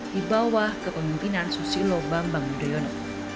di bawah kepemimpinan susilo bambang yudhoyono